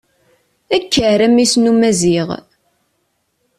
Kker, a mmi-s n umaziɣ!